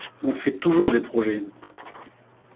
On fait toujours des projets.